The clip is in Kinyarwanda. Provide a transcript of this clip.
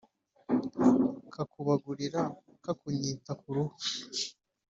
Kakubagurira-Akanyita k'uruhu.